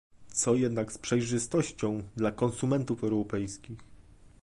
Co jednak z przejrzystością dla konsumentów europejskich?